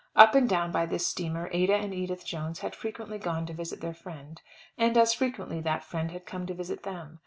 Up and down by this steamer Ada and Edith Jones had frequently gone to visit their friend, and as frequently that friend had come to visit them.